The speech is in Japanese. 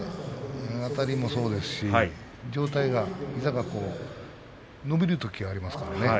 あたりもそうですし上体が膝が伸びるときがありますからね。